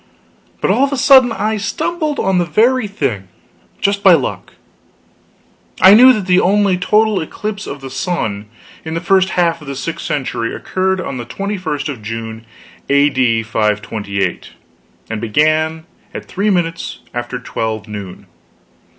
But all of a sudden I stumbled on the very thing, just by luck. I knew that the only total eclipse of the sun in the first half of the sixth century occurred on the 21st of June, A.D. 528, O.S., and began at 3 minutes after 12 noon.